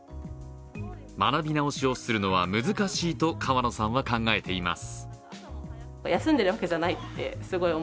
学び直しをするのは難しいと川野さんは考えています。